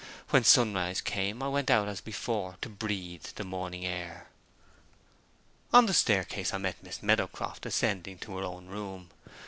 When sunrise came, I went out, as before, to breathe the morning air. On the staircase I met Miss Meadowcroft ascending to her own room.